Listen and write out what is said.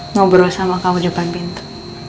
ngobrol sama kamu di pabrik itu